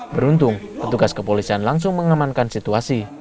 beruntung petugas kepolisian langsung mengamankan situasi